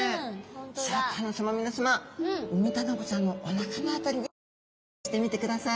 シャーク香音さま皆さまウミタナゴちゃんのお腹の辺りに注目してみてください。